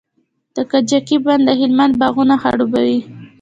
د کجکي بند د هلمند باغونه خړوبوي.